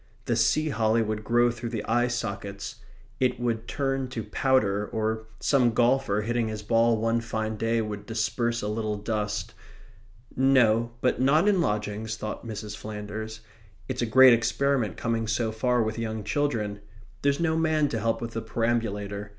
The sea holly would grow through the eye sockets; it would turn to powder, or some golfer, hitting his ball one fine day, would disperse a little dust No, but not in lodgings, thought Mrs. Flanders. It's a great experiment coming so far with young children. There's no man to help with the perambulator.